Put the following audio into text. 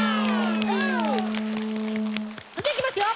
それじゃいきますよ。